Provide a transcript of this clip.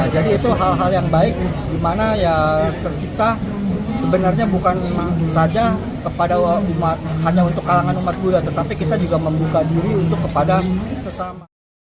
jadi itu hal hal yang baik dimana ya tercipta sebenarnya bukan saja kepada umat hanya untuk kalangan umat buddha tetapi kita juga membuka diri untuk kepada sesama